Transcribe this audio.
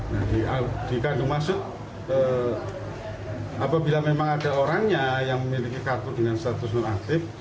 nah di kartu masuk apabila memang ada orangnya yang memiliki kartu dengan status nonaktif